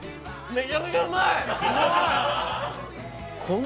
めちゃくちゃうまい！